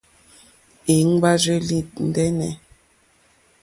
Íŋ!ɡbárzèlì ndɛ́nɛ̀.